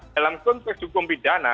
dalam konteks hukum pidana